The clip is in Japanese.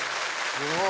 すごい。